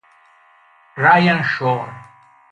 Ryan Shore